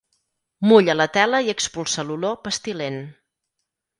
Mulla la tela i expulsa l'olor pestilent.